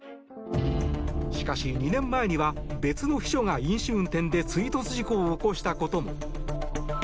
しかし、２年前には別の秘書が飲酒運転で追突事故を起こしたことも。